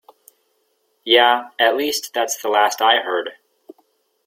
Yeah, at least that's the last I heard.